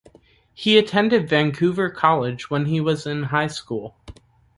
He attended Vancouver College when he was in high school.